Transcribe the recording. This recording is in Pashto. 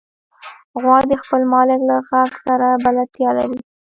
غوا د خپل مالک له غږ سره بلدتیا لري.